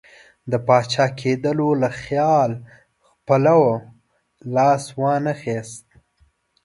د پاچا کېدلو له خیال پلو لاس وانه خیست.